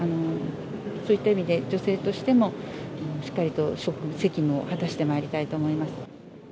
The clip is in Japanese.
そういった意味で、女性としてもしっかりと責務を果たしてまいりたいと思います。